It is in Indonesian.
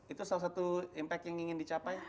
itu salah satu impact yang ingin dicapai